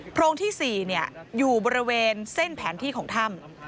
โรงที่๔อยู่บริเวณเส้นแผนที่ของถ้ำ